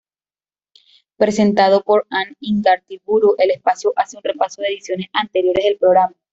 Presentado por Anne Igartiburu, el espacio hace un repaso de ediciones anteriores del programa.